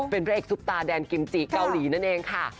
เป็นพระเอกซุปตาแดนกิมจิเกาหลีนั่นเองค่ะ